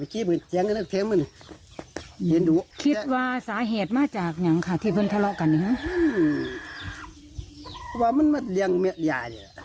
คิดว่าสาเหตุมาจากยังค่ะที่เพื่อนทะเลาะกันอย่างไร